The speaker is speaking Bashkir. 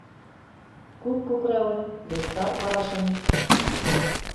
Күк күкрәүен, дуҫтар ҡарашын.